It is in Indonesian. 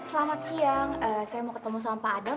selamat siang saya mau ketemu sama pak adam